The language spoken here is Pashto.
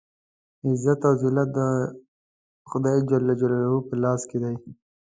عزت او ذلت د خدای جل جلاله په لاس کې دی.